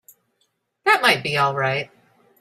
That might be all right.